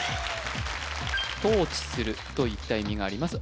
統治するといった意味があります